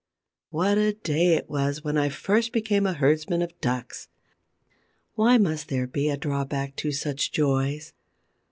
What a day it was when I first became a herdsman of ducks! Why must there be a drawback to such joys?